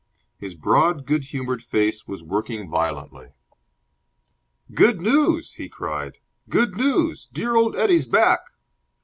His broad, good humoured face was working violently. "Good news!" he cried. "Good news! Dear old Eddie's back!"